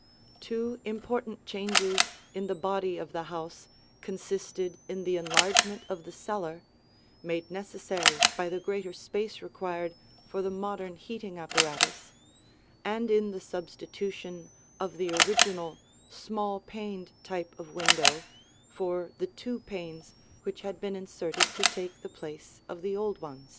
Two important changes in the body of the house consisted in the enlargement of the cellar, made necessary by the greater space required for the modern heating apparatus, and in the substitution of the original, small paned type of window for the two panes which had been inserted to take the place of the old ones.